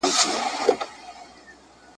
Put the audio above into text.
له ساحله خبر نه یم د توپان کیسه کومه ,